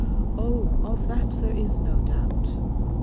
Oh! of that there is no doubt.